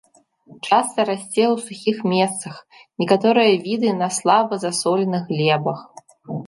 Часта расце ў сухіх месцах, некаторыя віды на слаба засоленых глебах.